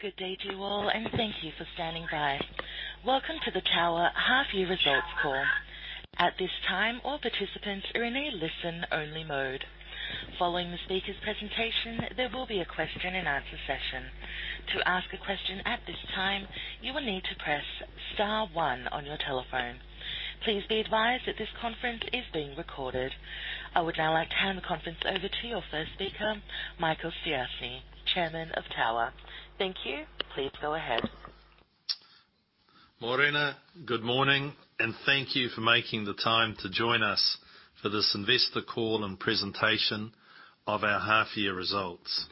Good day to you all, and thank you for standing by. Welcome to the Tower half year results call. I would now like to hand the conference over to your first speaker, Michael Stiassny, Chairman of Tower. Thank you. Please go ahead. Morena. Good morning. Thank you for making the time to join us for this investor call and presentation of our half-year results.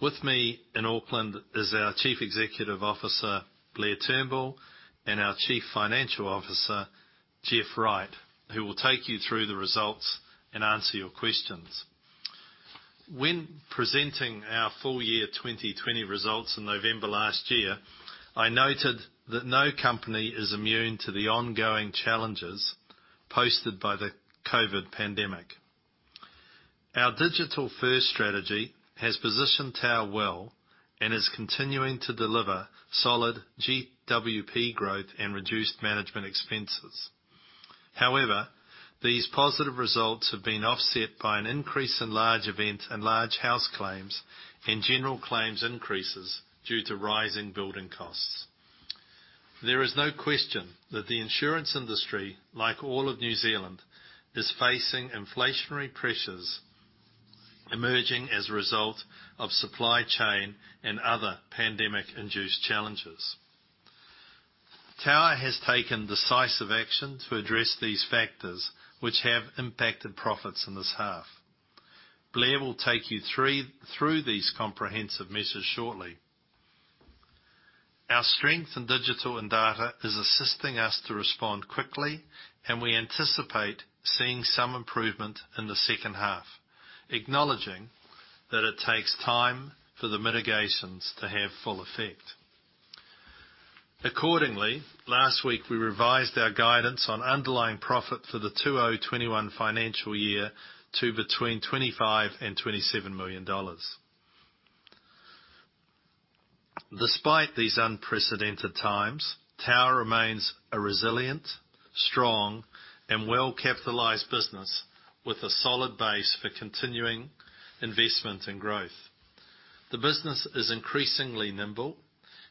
With me in Auckland is our Chief Executive Officer, Blair Turnbull, and our Chief Financial Officer, Jeff Wright, who will take you through the results and answer your questions. When presenting our full-year 2020 results in November last year, I noted that no company is immune to the ongoing challenges posted by the COVID-19 pandemic. Our digital-first strategy has positioned Tower well and is continuing to deliver solid GWP growth and reduced management expenses. These positive results have been offset by an increase in large event and large house claims, and general claims increases due to rising building costs. There is no question that the insurance industry, like all of New Zealand, is facing inflationary pressures emerging as a result of supply chain and other pandemic-induced challenges. Tower has taken decisive action to address these factors which have impacted profits in this half. Blair will take you through these comprehensive measures shortly. Our strength in digital and data is assisting us to respond quickly, and we anticipate seeing some improvement in the second half, acknowledging that it takes time for the mitigations to have full effect. Last week we revised our guidance on underlying profit for the 2021 financial year to between 25 million and 27 million dollars. Despite these unprecedented times, Tower remains a resilient, strong and well-capitalized business with a solid base for continuing investment and growth. The business is increasingly nimble,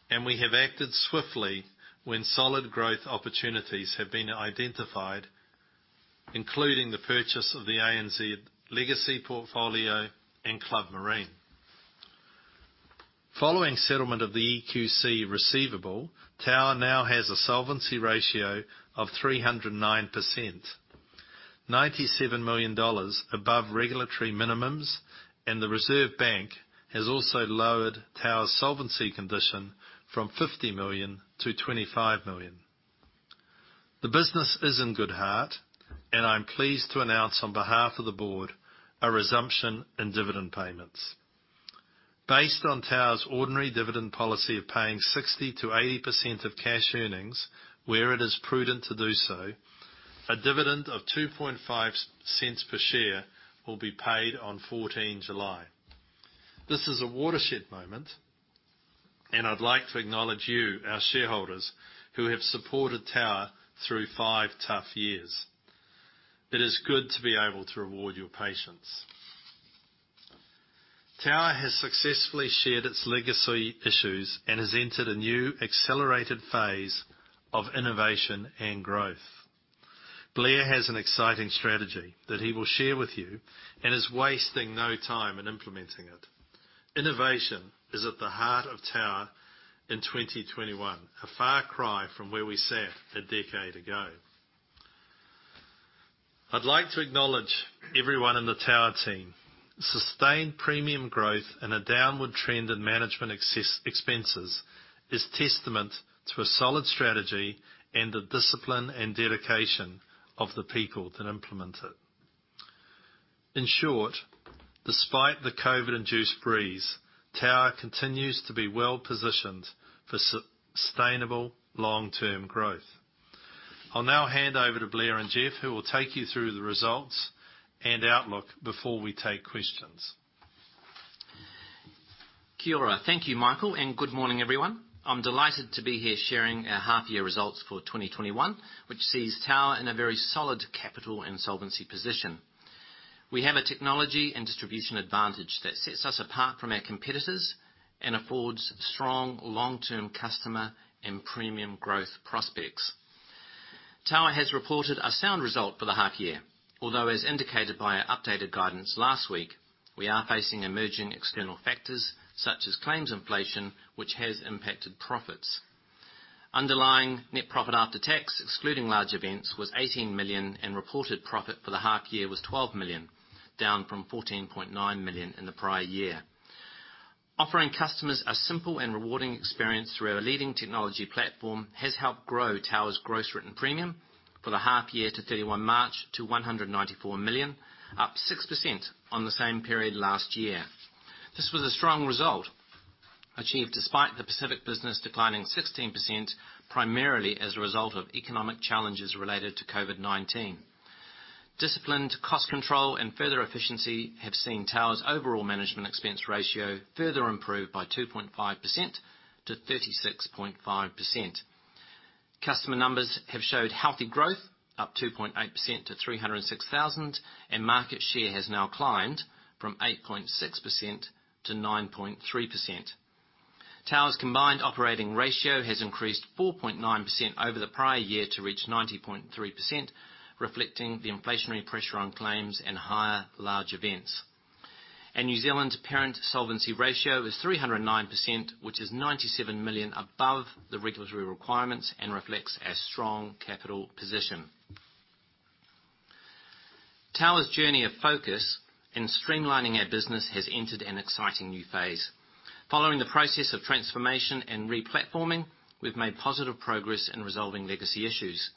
and we have acted swiftly when solid growth opportunities have been identified, including the purchase of the ANZ legacy portfolio and Club Marine. Following settlement of the EQC receivable, Tower now has a solvency ratio of 309%, 97 million dollars above regulatory minimums, and the Reserve Bank has also lowered Tower's solvency condition from 50 million to 25 million. The business is in good heart, and I'm pleased to announce on behalf of the board a resumption in dividend payments. Based on Tower's ordinary dividend policy of paying 60% to 80% of cash earnings where it is prudent to do so, a dividend of 0.025 per share will be paid on 14 July. This is a watershed moment, and I'd like to acknowledge you, our shareholders, who have supported Tower through five tough years. It is good to be able to reward your patience. Tower has successfully shed its legacy issues and has entered a new accelerated phase of innovation and growth. Blair has an exciting strategy that he will share with you and is wasting no time in implementing it. Innovation is at the heart of Tower in 2021, a far cry from where we sat a decade ago. I'd like to acknowledge everyone in the Tower team. Sustained premium growth and a downward trend in management expenses is testament to a solid strategy and the discipline and dedication of the people that implement it. In short, despite the COVID-19-induced breeze, Tower continues to be well-positioned for sustainable long-term growth. I'll now hand over to Blair and Jeff, who will take you through the results and outlook before we take questions. Kia ora. Thank you, Michael. Good morning, everyone. I'm delighted to be here sharing our half year results for 2021, which sees Tower in a very solid capital and solvency position. We have a technology and distribution advantage that sets us apart from our competitors and affords strong long-term customer and premium growth prospects. Tower has reported a sound result for the half year, although as indicated by our updated guidance last week, we are facing emerging external factors such as claims inflation, which has impacted profits. Underlying net profit after tax, excluding large events, was 18 million, and reported profit for the half year was 12 million, down from 14.9 million in the prior year. Offering customers a simple and rewarding experience through our leading technology platform has helped grow Tower's gross written premium for the half year to 31 March to 194 million, up 6% on the same period last year. This was a strong result achieved despite the Pacific business declining 16%, primarily as a result of economic challenges related to COVID-19. Disciplined cost control and further efficiency have seen Tower's overall management expense ratio further improve by 2.5%-36.5%. Customer numbers have showed healthy growth, up 2.8% to 306,000, and market share has now climbed from 8.6% to 9.3%. Tower's combined operating ratio has increased 4.9% over the prior year to reach 90.3%, reflecting the inflationary pressure on claims and higher large events. New Zealand's parent solvency ratio is 309%, which is 97 million above the regulatory requirements and reflects our strong capital position. Tower's journey of focus in streamlining our business has entered an exciting new phase. Following the process of transformation and re-platforming, we've made positive progress in resolving legacy issues.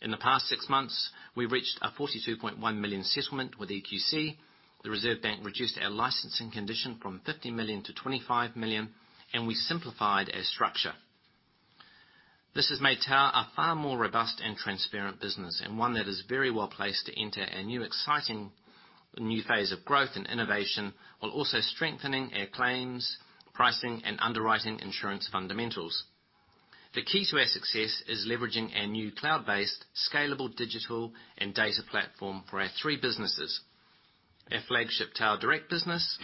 In the past six months, we reached a 42.1 million settlement with EQC, the Reserve Bank reduced our licensing condition from 50 million to 25 million, and we simplified our structure. This has made Tower a far more robust and transparent business, and one that is very well-placed to enter a new phase of growth and innovation, while also strengthening our claims, pricing, and underwriting insurance fundamentals. The key to our success is leveraging our new cloud-based, scalable digital and data platform for our three businesses. Our flagship Tower Direct business,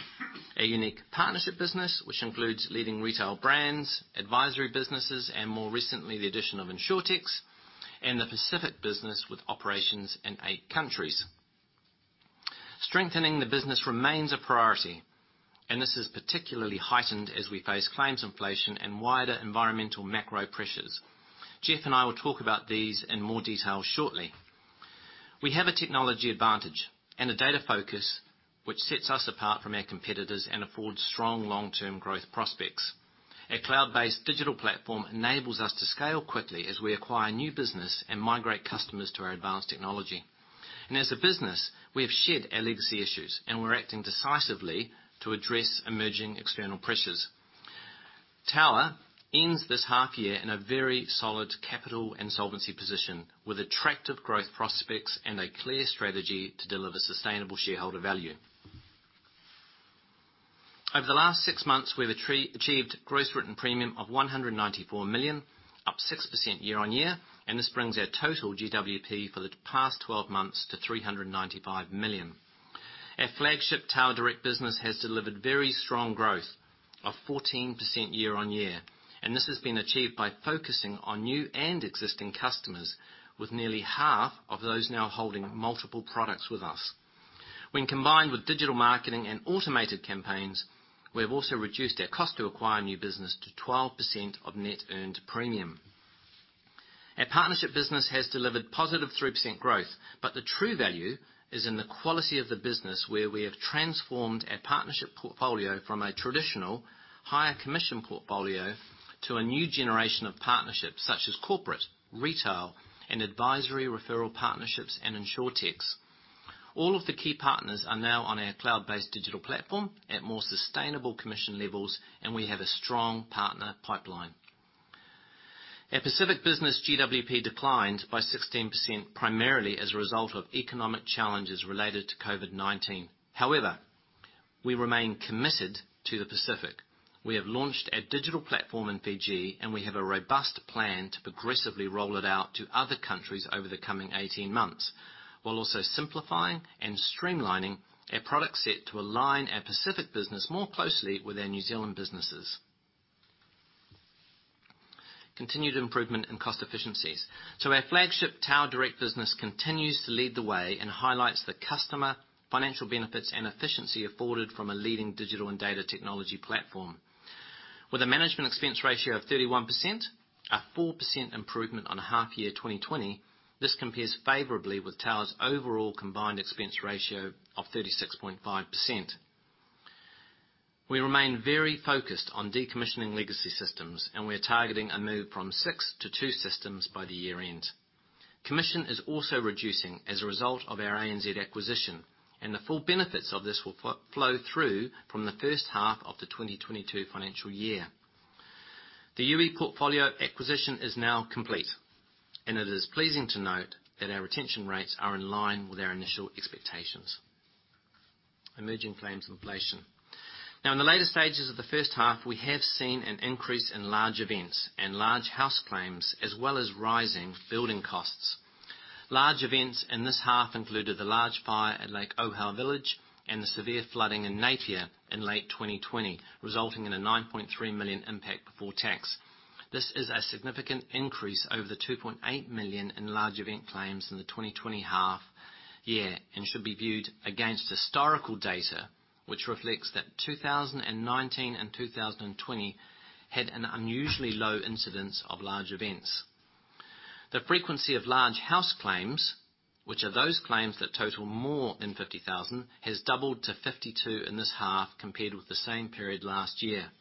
our unique partnership business, which includes leading retail brands, advisory businesses, and more recently, the addition of Insurtechs, and the Pacific business with operations in eight countries. Strengthening the business remains a priority, and this is particularly heightened as we face claims inflation and wider environmental macro pressures. Jeff and I will talk about these in more detail shortly. We have a technology advantage and a data focus which sets us apart from our competitors and affords strong long-term growth prospects. Our cloud-based digital platform enables us to scale quickly as we acquire new business and migrate customers to our advanced technology. As a business, we've shed our legacy issues, and we're acting decisively to address emerging external pressures. Tower ends this half year in a very solid capital and solvency position, with attractive growth prospects and a clear strategy to deliver sustainable shareholder value. Over the last six months, we've achieved gross written premium of 194 million, up 6% year-on-year. This brings our total GWP for the past 12 months to 395 million. Our flagship Tower Direct business has delivered very strong growth of 14% year-on-year. This has been achieved by focusing on new and existing customers, with nearly half of those now holding multiple products with us. When combined with digital marketing and automated campaigns, we've also reduced our cost to acquire new business to 12% of net earned premium. Our partnership business has delivered positive 3% growth. The true value is in the quality of the business where we have transformed our partnership portfolio from a traditional higher commission portfolio to a new generation of partnerships such as corporate, retail, and advisory referral partnerships and Insurtechs. All of the key partners are now on our cloud-based digital platform at more sustainable commission levels. We have a strong partner pipeline. Our Tower Pacific GWP declined by 16%, primarily as a result of economic challenges related to COVID-19. We remain committed to the Pacific. We have launched our digital platform in Fiji, and we have a robust plan to progressively roll it out to other countries over the coming 18 months, while also simplifying and streamlining our product set to align our Tower Pacific business more closely with our New Zealand businesses. Continued improvement in cost efficiencies. Our flagship Tower Direct business continues to lead the way and highlights the customer financial benefits and efficiency afforded from a leading digital and data technology platform. With a management expense ratio of 31%, a 4% improvement on half year 2020, this compares favorably with Tower's overall combined expense ratio of 36.5%. We remain very focused on decommissioning legacy systems, and we're targeting a move from six to two systems by the year-end. Commission is also reducing as a result of our ANZ acquisition, and the full benefits of this will flow through from the first half of the 2022 financial year. The Youi portfolio acquisition is now complete, and it is pleasing to note that our retention rates are in line with our initial expectations. Emerging claims inflation. Now, in the later stages of the first half, we have seen an increase in large events and large house claims, as well as rising building costs. Large events in this half included the large fire at Lake Ōhau Village and the severe flooding in Napier in late 2020, resulting in a 9.3 million impact before tax. This is a significant increase over the 2.8 million in large event claims in the 2020 half year and should be viewed against historical data, which reflects that 2019 and 2020 had an unusually low incidence of large events. The frequency of large house claims, which are those claims that total more than 50,000, has doubled to 52 in this half compared with the same period last year.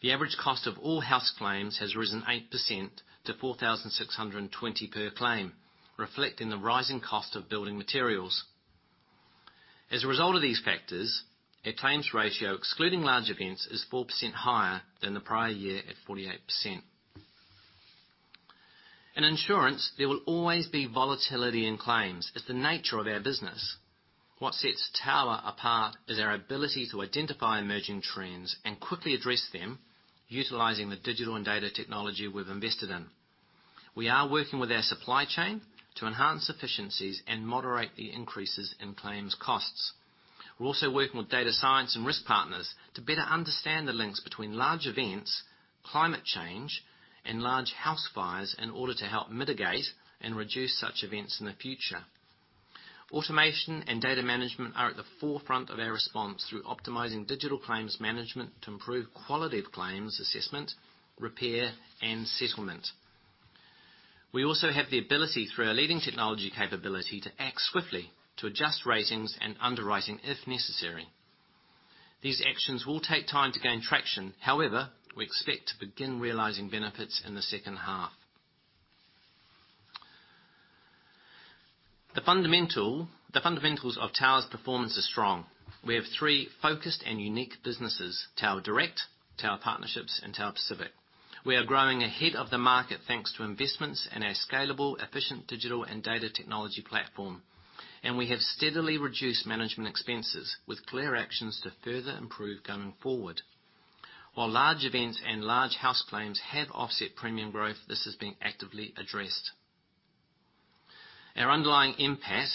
The average cost of all house claims has risen 8% to 4,620 per claim, reflecting the rising cost of building materials. As a result of these factors, our claims ratio, excluding large events, is 4% higher than the prior year at 48%. In insurance, there will always be volatility in claims. It's the nature of our business. What sets Tower apart is our ability to identify emerging trends and quickly address them utilizing the digital and data technology we've invested in. We are working with our supply chain to enhance efficiencies and moderate the increases in claims costs. We're also working with data science and risk partners to better understand the links between large events, climate change, and large house fires in order to help mitigate and reduce such events in the future. Automation and data management are at the forefront of our response through optimizing digital claims management to improve quality of claims assessment, repair, and settlement. We also have the ability, through our leading technology capability, to act swiftly to adjust ratings and underwriting if necessary. These actions will take time to gain traction. However, we expect to begin realizing benefits in the second half. The fundamentals of Tower's performance are strong. We have three focused and unique businesses, Tower Direct, Tower Partnerships, and Tower Pacific. We are growing ahead of the market, thanks to investments in our scalable, efficient digital and data technology platform. We have steadily reduced management expenses with clear actions to further improve going forward. While large events and large house claims have offset premium growth, this is being actively addressed. Our underlying NPAT,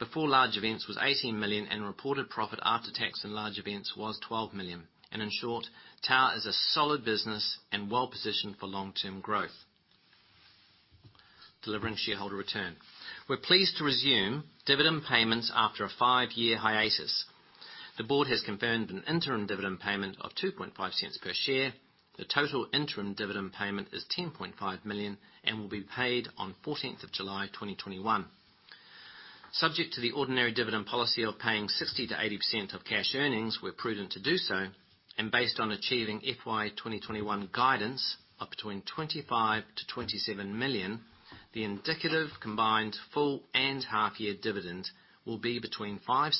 before large events, was 18 million. Reported profit after tax and large events was 12 million. In short, Tower is a solid business and well-positioned for long-term growth, delivering shareholder return. We're pleased to resume dividend payments after a five-year hiatus. The board has confirmed an interim dividend payment of 0.025 per share. The total interim dividend payment is 10.5 million and will be paid on 14th of July 2021. Subject to the ordinary dividend policy of paying 60%-80% of cash earnings where prudent to do so, and based on achieving FY 2021 guidance of between 25 million-27 million, the indicative combined full and half year dividend will be between 0.05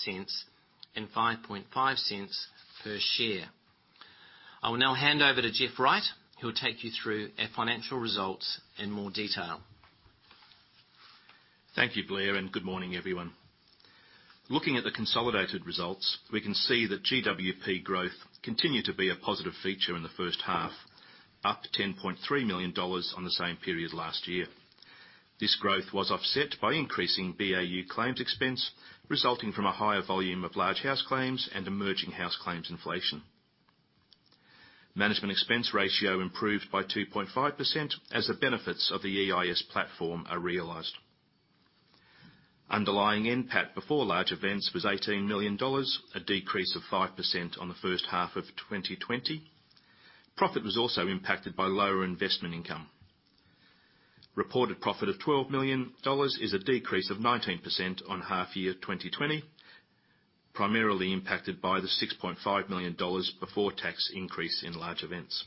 and 0.055 per share. I will now hand over to Jeff Wright, who will take you through our financial results in more detail. Thank you, Blair, and good morning, everyone. Looking at the consolidated results, we can see that GWP growth continued to be a positive feature in the first half, up to 10.3 million dollars on the same period last year. This growth was offset by increasing BAU claims expense resulting from a higher volume of large house claims and emerging house claims inflation. Management expense ratio improved by 2.5% as the benefits of the EIS platform are realized. Underlying NPAT before large events was NZD 18 million, a decrease of 5% on the first half of 2020. Profit was also impacted by lower investment income. Reported profit of NZD 12 million is a decrease of 19% on half year 2020, primarily impacted by the 6.5 million dollars before tax increase in large events.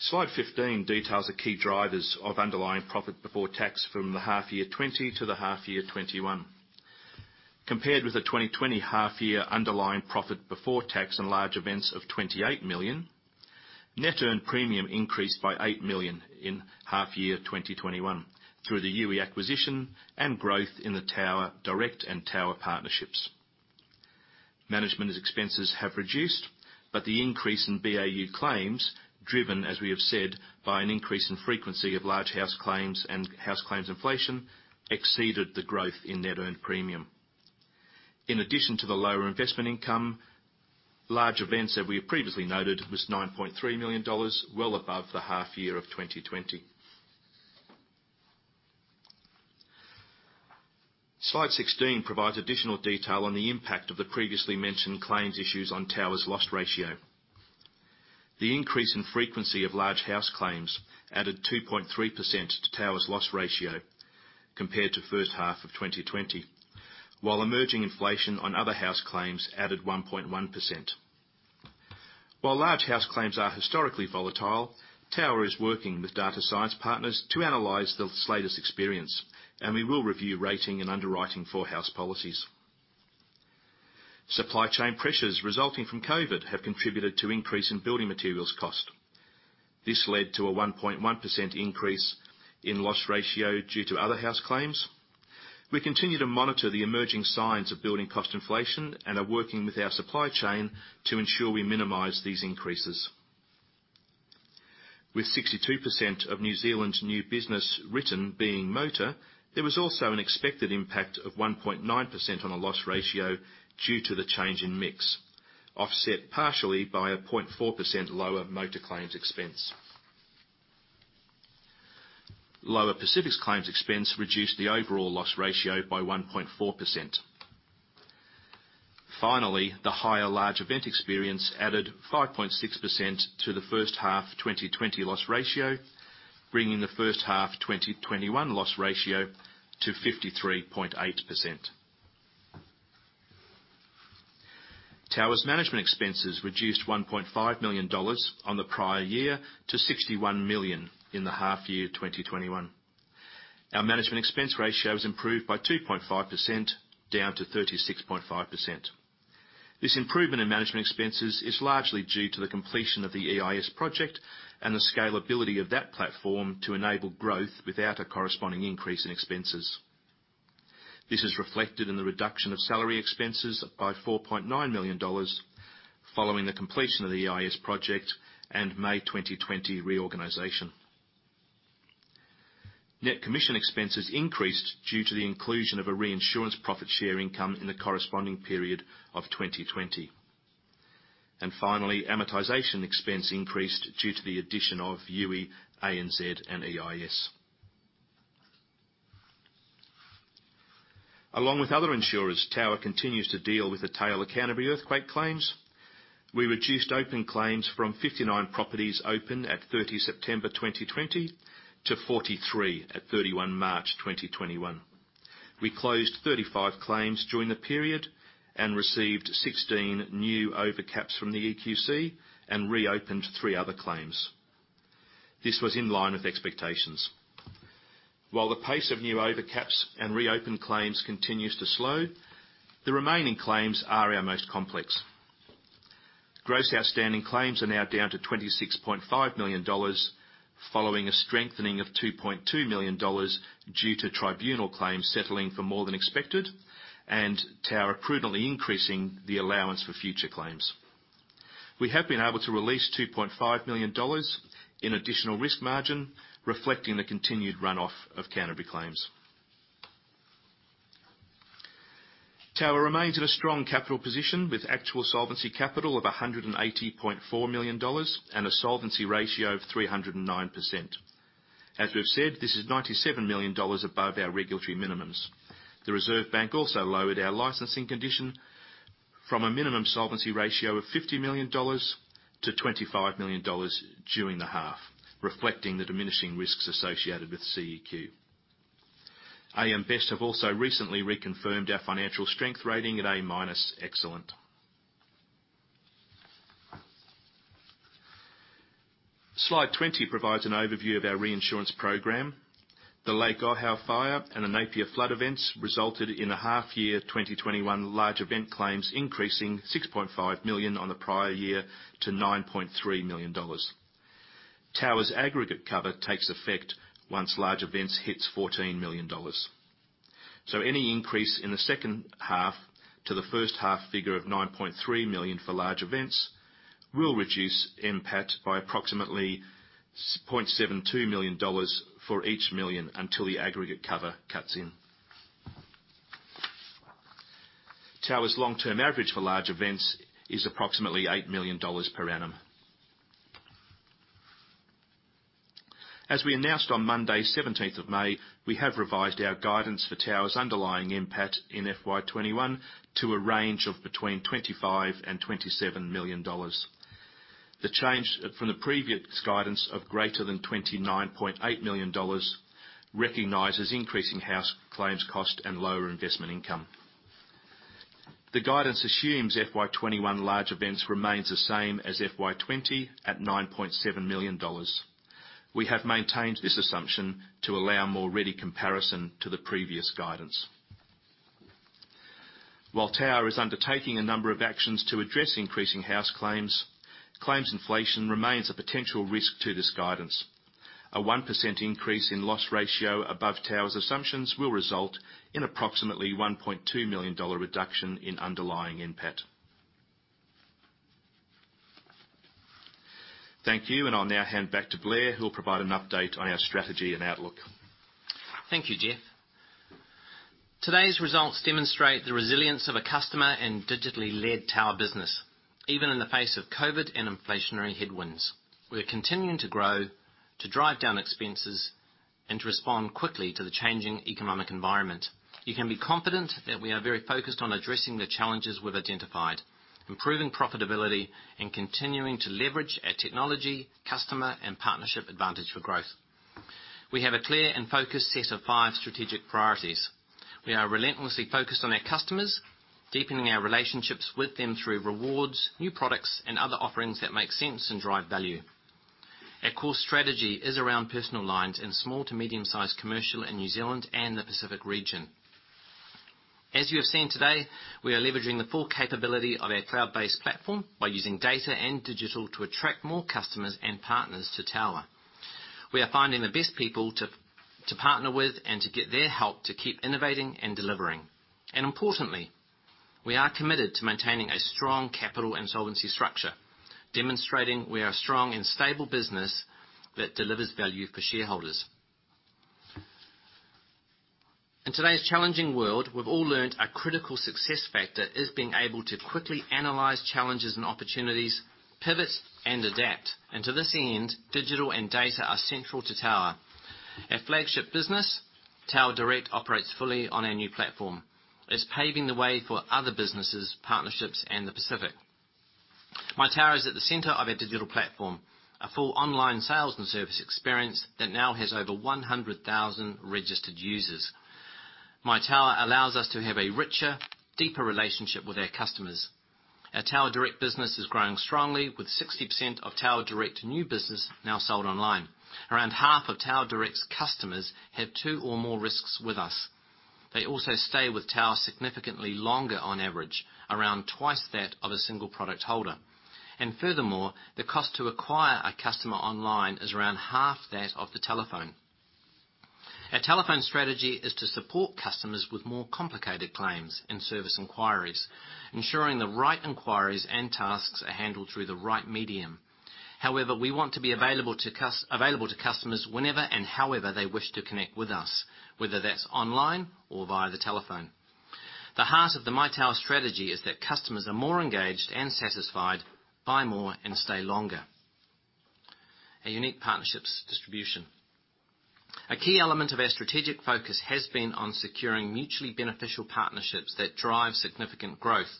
Slide 15 details the key drivers of underlying profit before tax from the half year 2020 to the half year 2021. Compared with the 2020 half year underlying profit before tax and large events of 28 million, net earned premium increased by 8 million in half year 2021 through the Youi acquisition and growth in the Tower Direct and Tower Partnerships. Management expenses have reduced, but the increase in BAU claims, driven, as we have said, by an increase in frequency of large house claims and house claims inflation, exceeded the growth in net earned premium. In addition to the lower investment income, large events, as we previously noted, was 9.3 million dollars, well above the half year of 2020. Slide 16 provides additional detail on the impact of the previously mentioned claims issues on Tower's loss ratio. The increase in frequency of large house claims added 2.3% to Tower's loss ratio compared to first half of 2020, while emerging inflation on other house claims added 1.1%. While large house claims are historically volatile, Tower is working with data science partners to analyze the latest experience, and we will review rating and underwriting for house policies. Supply chain pressures resulting from COVID have contributed to increase in building materials cost. This led to a 1.1% increase in loss ratio due to other house claims. We continue to monitor the emerging signs of building cost inflation and are working with our supply chain to ensure we minimize these increases. With 62% of New Zealand's new business written being motor, there was also an expected impact of 1.9% on a loss ratio due to the change in mix, offset partially by a 0.4% lower motor claims expense. Lower Pacific's claims expense reduced the overall loss ratio by 1.4%. Finally, the higher large event experience added 5.6% to the first half 2020 loss ratio, bringing the first half 2021 loss ratio to 53.8%. Tower's management expenses reduced 1.5 million dollars on the prior year to 61 million in the half year 2021. Our management expense ratio has improved by 2.5%, down to 36.5%. This improvement in management expenses is largely due to the completion of the EIS project and the scalability of that platform to enable growth without a corresponding increase in expenses. This is reflected in the reduction of salary expenses by 4.9 million dollars following the completion of the EIS project and May 2020 reorganization. Net commission expenses increased due to the inclusion of a reinsurance profit share income in the corresponding period of 2020. Finally, amortization expense increased due to the addition of UE, ANZ and EIS. Along with other insurers, Tower continues to deal with the tail of Canterbury earthquake claims. We reduced open claims from 59 properties open at 30 September 2020 to 43 at 31 March 2021. We closed 35 claims during the period and received 16 new over caps from the EQC and reopened three other claims. This was in line with expectations. While the pace of new over caps and reopened claims continues to slow, the remaining claims are our most complex. Gross outstanding claims are now down to 26.5 million dollars, following a strengthening of 2.2 million dollars due to tribunal claims settling for more than expected, and Tower prudently increasing the allowance for future claims. We have been able to release 2.5 million dollars in additional risk margin, reflecting the continued runoff of Canterbury claims. Tower remains in a strong capital position with actual solvency capital of 180.4 million dollars and a solvency ratio of 309%. As we've said, this is 97 million dollars above our regulatory minimums. The Reserve Bank also lowered our licensing condition from a minimum solvency ratio of 50 million dollars to 25 million dollars during the half, reflecting the diminishing risks associated with EQC. AM Best have also recently reconfirmed our financial strength rating at A- Excellent. Slide 20 provides an overview of our reinsurance program. The Lake Ōhau fire and Napier flood events resulted in a half year 2021 large event claims increasing 6.5 million on the prior year to 9.3 million dollars. Tower's aggregate cover takes effect once large events hits 14 million dollars. Any increase in the second half to the first half figure of 9.3 million for large events will reduce NPAT by approximately 0.72 million dollars for each million until the aggregate cover cuts in. Tower's long-term average for large events is approximately 8 million dollars per annum. As we announced on Monday 17th of May, we have revised our guidance for Tower's underlying NPAT in FY21 to a range of between 25 million and 27 million dollars. The change from the previous guidance of greater than 29.8 million dollars recognizes increasing house claims cost and lower investment income. The guidance assumes FY21 large events remains the same as FY20 at 9.7 million dollars. We have maintained this assumption to allow more ready comparison to the previous guidance. While Tower is undertaking a number of actions to address increasing house claims inflation remains a potential risk to this guidance. A 1% increase in loss ratio above Tower's assumptions will result in approximately 1.2 million dollar reduction in underlying NPAT. Thank you, I'll now hand back to Blair, who'll provide an update on our strategy and outlook. Thank you, Jeff. Today's results demonstrate the resilience of a customer and digitally led Tower business, even in the face of COVID and inflationary headwinds. We're continuing to grow, to drive down expenses, and to respond quickly to the changing economic environment. You can be confident that we are very focused on addressing the challenges we've identified, improving profitability, and continuing to leverage our technology, customer, and partnership advantage for growth. We have a clear and focused set of five strategic priorities. We are relentlessly focused on our customers, deepening our relationships with them through rewards, new products, and other offerings that make sense and drive value. Our core strategy is around personal lines and small to medium-sized commercial in New Zealand and the Pacific region. As you have seen today, we are leveraging the full capability of our cloud-based platform by using data and digital to attract more customers and partners to Tower. We are finding the best people to partner with and to get their help to keep innovating and delivering. Importantly, we are committed to maintaining a strong capital and solvency structure, demonstrating we are a strong and stable business that delivers value for shareholders. In today's challenging world, we've all learned a critical success factor is being able to quickly analyze challenges and opportunities, pivot, and adapt, and to this end, digital and data are central to Tower. Our flagship business, Tower Direct, operates fully on our new platform. It's paving the way for other businesses, partnerships in the Pacific. My Tower is at the center of our digital platform, a full online sales and service experience that now has over 100,000 registered users. My Tower allows us to have a richer, deeper relationship with our customers. Our Tower Direct business is growing strongly with 60% of Tower Direct new business now sold online. Around half of Tower Direct's customers have two or more risks with us. They also stay with Tower significantly longer on average, around twice that of a single product holder. Furthermore, the cost to acquire a customer online is around half that of the telephone. Our telephone strategy is to support customers with more complicated claims and service inquiries, ensuring the right inquiries and tasks are handled through the right medium. We want to be available to customers whenever and however they wish to connect with us, whether that's online or via the telephone. The heart of the My Tower strategy is that customers are more engaged and satisfied, buy more, and stay longer. Our unique Partnerships distribution. A key element of our strategic focus has been on securing mutually beneficial partnerships that drive significant growth.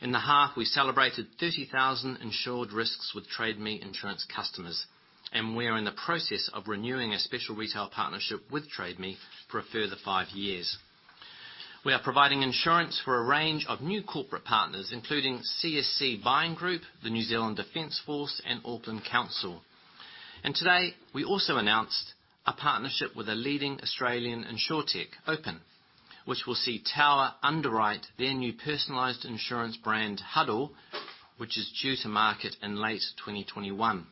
In the half, we celebrated 30,000 insured risks with Trade Me insurance customers, and we are in the process of renewing a special retail partnership with Trade Me for a further five years. We are providing insurance for a range of new corporate partners, including CSC Buying Group, the New Zealand Defence Force, and Auckland Council. Today, we also announced a partnership with a leading Australian insurtech, Open, which will see Tower underwrite their new personalized insurance brand, Huddle, which is due to market in late 2021.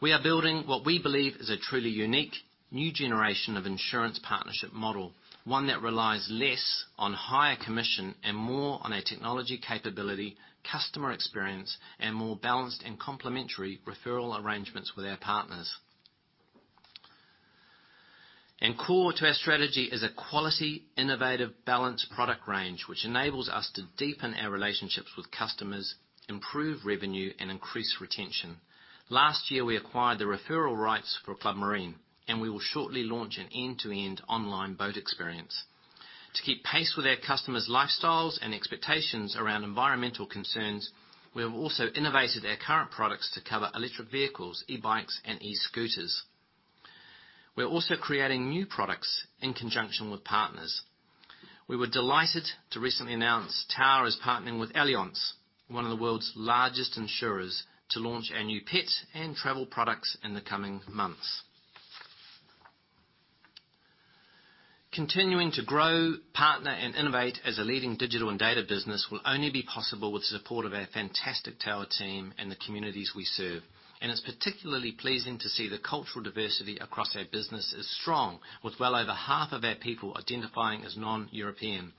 We are building what we believe is a truly unique new generation of insurance partnership model, one that relies less on higher commission and more on our technology capability, customer experience, and more balanced and complementary referral arrangements with our partners. Core to our strategy is a quality, innovative, balanced product range, which enables us to deepen our relationships with customers, improve revenue, and increase retention. Last year, we acquired the referral rights for Club Marine, and we will shortly launch an end-to-end online boat experience. To keep pace with our customers' lifestyles and expectations around environmental concerns, we have also innovated our current products to cover electric vehicles, e-bikes, and e-scooters. We're also creating new products in conjunction with partners. We were delighted to recently announce Tower is partnering with Allianz, one of the world's largest insurers, to launch our new pet and travel products in the coming months. Continuing to grow, partner, and innovate as a leading digital and data business will only be possible with the support of our fantastic Tower team and the communities we serve. It's particularly pleasing to see the cultural diversity across our business is strong with well over half of our people identifying as non-European.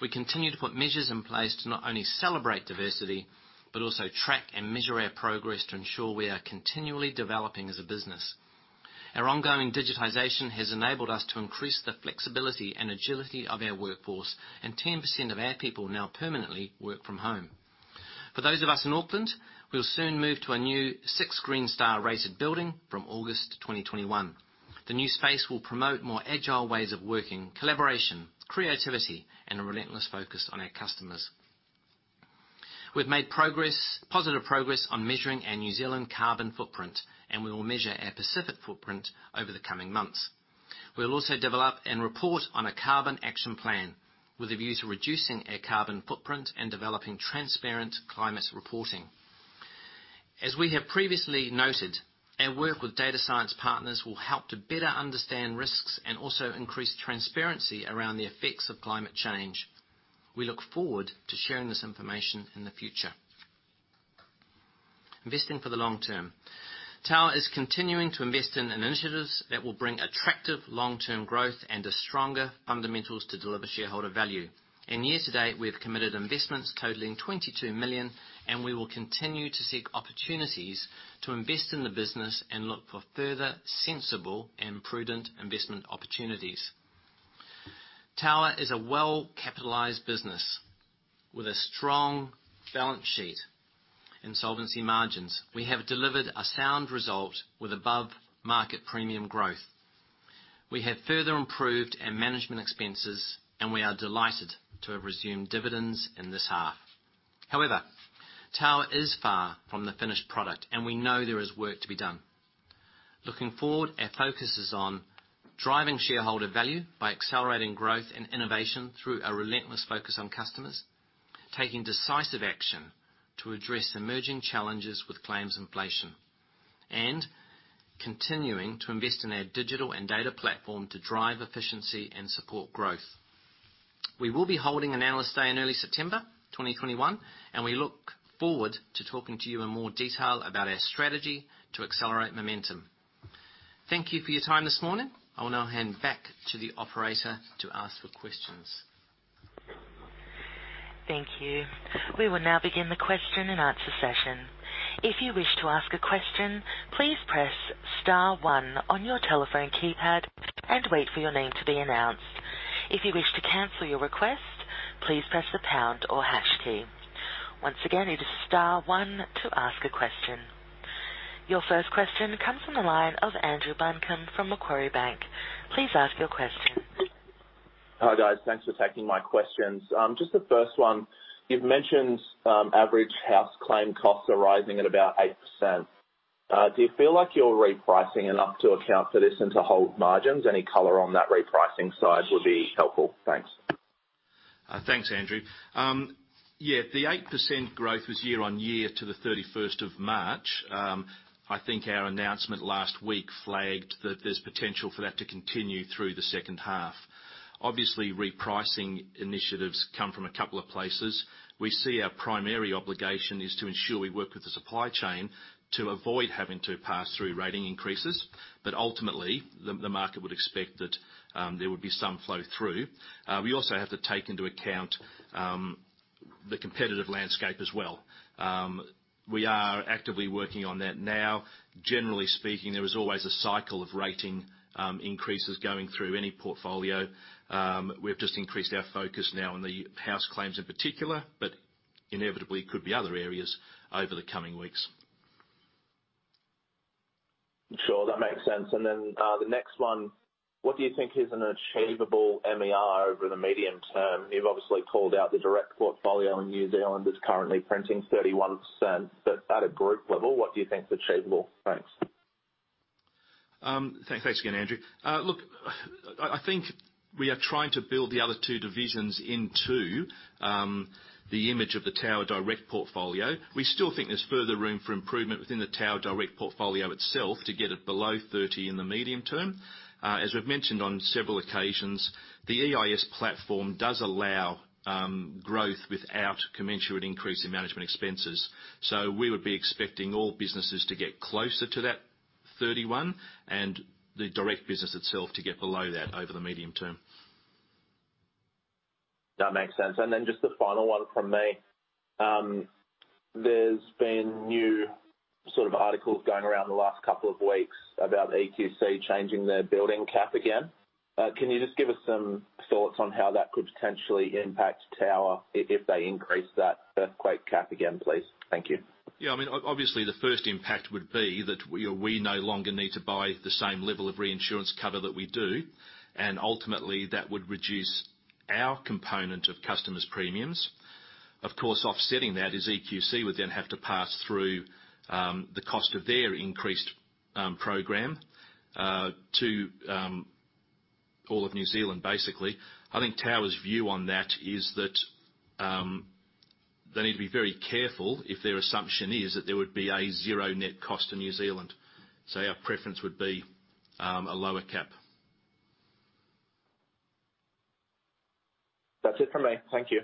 We continue to put measures in place to not only celebrate diversity but also track and measure our progress to ensure we are continually developing as a business. Our ongoing digitization has enabled us to increase the flexibility and agility of our workforce, and 10% of our people now permanently work from home. For those of us in Auckland, we'll soon move to a new six green star rated building from August 2021. The new space will promote more agile ways of working, collaboration, creativity, and a relentless focus on our customers. We've made positive progress on measuring our New Zealand carbon footprint, and we will measure our Pacific footprint over the coming months. We'll also develop and report on a carbon action plan with a view to reducing our carbon footprint and developing transparent climate reporting. As we have previously noted, our work with data science partners will help to better understand risks and also increase transparency around the effects of climate change. We look forward to sharing this information in the future. Investing for the long term. Tower is continuing to invest in initiatives that will bring attractive long-term growth and a stronger fundamentals to deliver shareholder value. In year to date, we have committed investments totaling 22 million, and we will continue to seek opportunities to invest in the business and look for further sensible and prudent investment opportunities. Tower is a well-capitalized business with a strong balance sheet and solvency margins. We have delivered a sound result with above-market premium growth. We have further improved our management expenses, and we are delighted to have resumed dividends in this half. Tower is far from the finished product, and we know there is work to be done. Looking forward, our focus is on driving shareholder value by accelerating growth and innovation through our relentless focus on customers, taking decisive action to address emerging challenges with claims inflation, and continuing to invest in our digital and data platform to drive efficiency and support growth. We will be holding an analyst day in early September 2021. We look forward to talking to you in more detail about our strategy to accelerate momentum. Thank you for your time this morning. I will now hand back to the operator to ask for questions. Thank you. We will now begin the question and answer session. If you wish to ask a question, please press star one on your telephone keypad and wait for your name to be announced. If you wish to cancel your request, please press the pound or hash key. Once again, it is star one to ask a question. Your first question comes from the line of Andrew Buncombe from Macquarie Bank. Please ask your question. Hi guys. Thanks for taking my questions. Just the first one, you've mentioned average house claim costs are rising at about 8%. Do you feel like you're repricing enough to account for this and to hold margins? Any color on that repricing side would be helpful. Thanks. Thanks, Andrew. Yeah, the 8% growth was year-on-year to the 31st of March. I think our announcement last week flagged that there's potential for that to continue through the second half. Obviously, repricing initiatives come from a couple of places. We see our primary obligation is to ensure we work with the supply chain to avoid having to pass through rating increases. Ultimately, the market would expect that there would be some flow through. We also have to take into account the competitive landscape as well. We are actively working on that now. Generally speaking, there is always a cycle of rating increases going through any portfolio. We've just increased our focus now on the house claims in particular, inevitably could be other areas over the coming weeks. Sure, that makes sense. The next one, what do you think is an achievable MER over the medium term? You've obviously called out the direct portfolio in New Zealand is currently printing 31%. At a group level, what do you think is achievable? Thanks. Thanks again, Andrew. Look, I think we are trying to build the other two divisions into the image of the Tower Direct portfolio. We still think there's further room for improvement within the Tower Direct portfolio itself to get it below 30 in the medium term. As we've mentioned on several occasions, the EIS platform does allow growth without commensurate increase in management expenses. We would be expecting all businesses to get closer to that 31 and the direct business itself to get below that over the medium term. That makes sense. Just the final one from me. There's been new sort of articles going around the last couple of weeks about EQC changing their building cap again. Can you just give us some thoughts on how that could potentially impact Tower if they increase that earthquake cap again, please? Thank you. Yeah, obviously, the first impact would be that we no longer need to buy the same level of reinsurance cover that we do, and ultimately that would reduce our component of customers' premiums. Of course, offsetting that is EQC would then have to pass through the cost of their increased program to all of New Zealand, basically. I think Tower's view on that is that they need to be very careful if their assumption is that there would be a zero net cost to New Zealand. Our preference would be a lower cap. That's it from me. Thank you.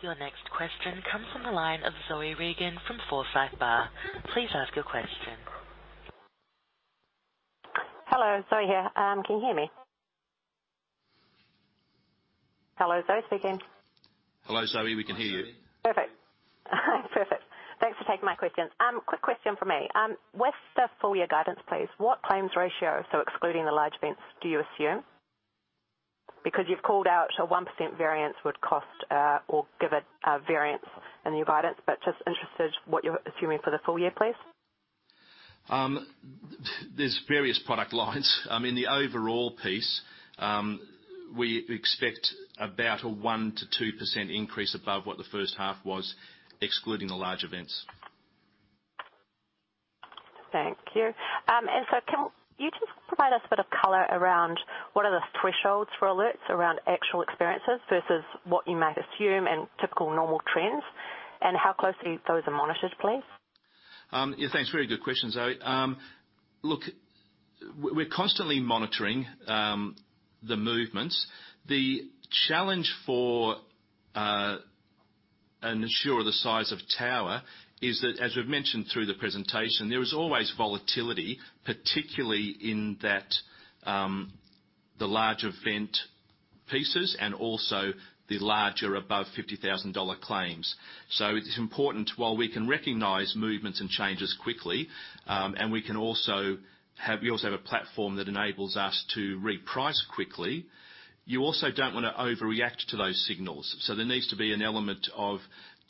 Your next question comes from the line of Zoie Regan from Forsyth Barr. Please ask your question. Hello, Zoe here. Can you hear me? Hello, Zoie speaking. Hello, Zoe. We can hear you. Perfect. Thanks for taking my question. Quick question for me. With the full year guidance, please, what claims ratio, so excluding the large events, do you assume? You've called out a 1% variance would cost, or give a variance in your guidance, but just interested what you're assuming for the full year, please. There's various product lines. In the overall piece, we expect about a 1%-2% increase above what the first half was, excluding the large events. Thank you. Can you just provide us a bit of color around what are the thresholds for all this around actual experiences versus what you might assume and typical normal trends, and how closely do you monitor those, please? Yeah, thanks. Very good question, Zoie. Look, we're constantly monitoring the movements. The challenge for an insurer the size of Tower is that, as we've mentioned through the presentation, there is always volatility, particularly in the large event pieces and also the larger above NZD 50,000 claims. It's important while we can recognize movements and changes quickly, and we also have a platform that enables us to reprice quickly. You also don't want to overreact to those signals. There needs to be an element of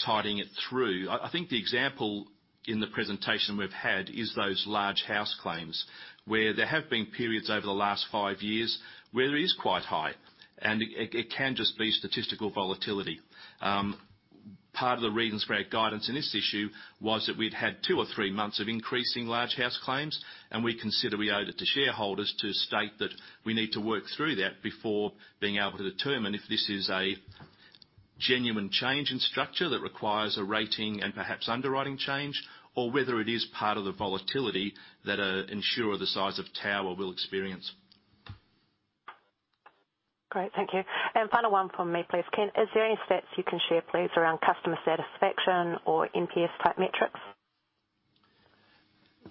tidying it through. I think the example in the presentation we've had is those large house claims, where there have been periods over the last five years where it is quite high, and it can just be statistical volatility. Part of the reasons for our guidance in this issue was that we'd had two or three months of increasing large house claims. We consider we owe it to shareholders to state that we need to work through that before being able to determine if this is a genuine change in structure that requires a rating and perhaps underwriting change, or whether it is part of the volatility that an insurer the size of Tower will experience. Great. Thank you. Final one from me, please, [blair]. Is there any stats you can share, please, around customer satisfaction or NPS type metrics?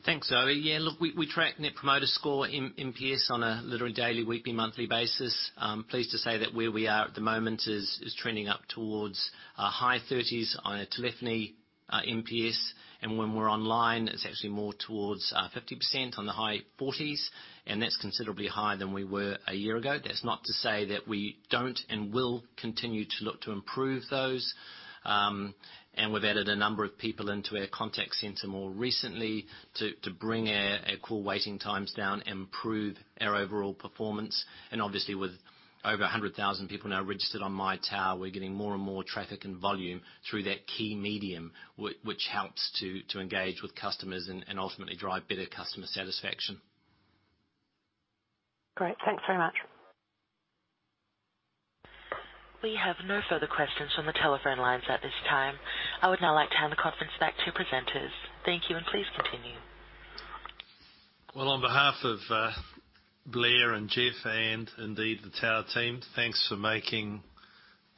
Thanks, Zoe. Look, we track net promoter score, NPS, on a literally daily, weekly, monthly basis. I'm pleased to say that where we are at the moment is trending up towards high thirties on a telephony NPS. When we're online, it's actually more towards 50% on the high forties, and that's considerably higher than we were one year ago. That's not to say that we don't and will continue to look to improve those. We've added a number of people into our contact center more recently to bring our call waiting times down, improve our overall performance. Obviously, with over 100,000 people now registered on My Tower, we're getting more and more traffic and volume through that key medium, which helps to engage with customers and ultimately drive better customer satisfaction. Great. Thanks so much. We have no further questions from the telephone lines at this time. I would now like to hand the conference back to presenters. Thank you, and please continue. Well, on behalf of Blair and Jeff, and indeed the Tower team, thanks for making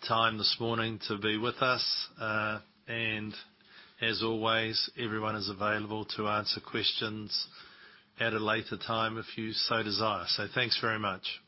time this morning to be with us. As always, everyone is available to answer questions at a later time if you so desire. Thanks very much.